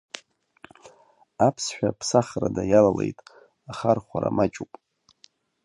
Аԥсшәа ԥсахрада иалалеит, ахархәара маҷуп.